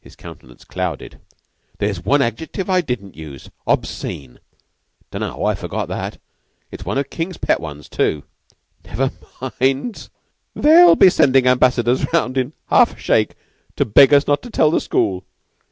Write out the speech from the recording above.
His countenance clouded. "There's one adjective I didn't use obscene. Don't know how I forgot that. It's one of King's pet ones, too." "Never mind. They'll be sendin' ambassadors round in half a shake to beg us not to tell the school.